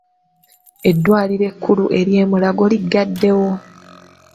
Eddwaliro ekkulu ery'e Mulago liggaddewo.